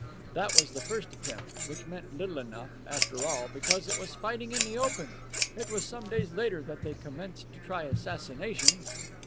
That was the first attempt, which meant little enough, after all, because it was fighting in the open. It was some days later that they commenced to try assassination."